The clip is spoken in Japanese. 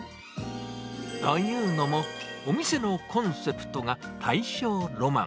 というのも、お店のコンセプトが大正ロマン。